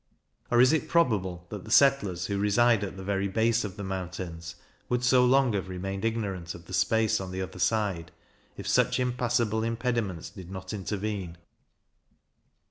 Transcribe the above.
Or is it probable that the settlers, who reside at the very base of the mountains, would so long have remained ignorant of the space on the other side, if such impassable impediments did not intervene.